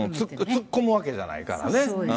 突っ込むわけじゃないからね。